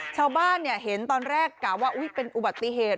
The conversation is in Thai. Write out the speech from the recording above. ชาวบ้านเนี่ยเห็นตอนแรกกล่าวว่าอุ๊ยเป็นอุบัติเหตุ